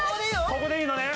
ここでいいのね？